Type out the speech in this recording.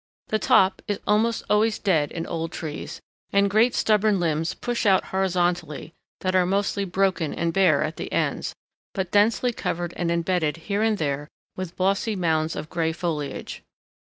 The top is almost always dead in old trees, and great stubborn limbs push out horizontally that are mostly broken and bare at the ends, but densely covered and embedded here and there with bossy mounds of gray foliage.